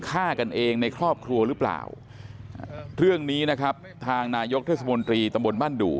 ฆ่ากันเองในครอบครัวหรือเปล่าเรื่องนี้นะครับทางนายกเทศมนตรีตำบลบ้านดุ